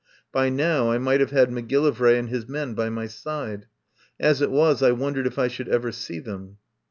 By now I might have had Macgillivray and his men by my side. As it was I wondered if I should ever see them.